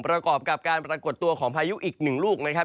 ประกอบกับการปรากฏตัวของพายุอีกหนึ่งลูกนะครับ